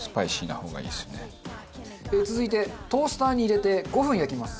続いてトースターに入れて５分焼きます。